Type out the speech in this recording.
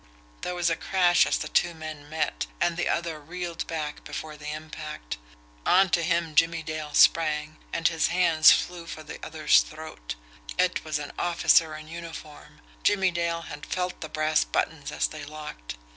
There was a crash as the two men met and the other reeled back before the impact. Onto him Jimmie Dale sprang, and his hands flew for the other's throat. It was an officer in uniform! Jimmie Dale had felt the brass buttons as they locked.